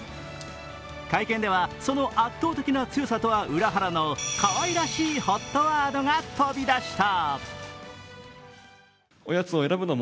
会見ではその圧倒的な強さとは裏腹のかわいらしいＨＯＴワードが飛び出した。